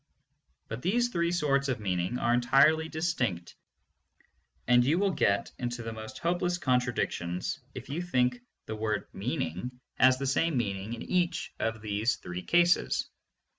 But these three sorts of meaning are entirely distinct, and you will get into the most hopeless contradictions if you think the word "meaning" has the same meaning in each of these three cases.